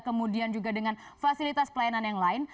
kemudian juga dengan fasilitas pelayanan yang lain